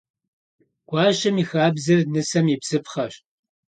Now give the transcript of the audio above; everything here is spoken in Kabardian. Guaşem yi xabzer nısem yi bzıpxheş.